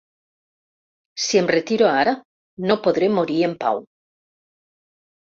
Si em retiro ara, no podré morir en pau.